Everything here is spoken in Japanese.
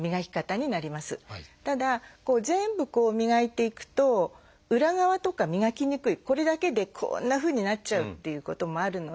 ただ全部磨いていくと裏側とか磨きにくいこれだけでこんなふうになっちゃうっていうこともあるので。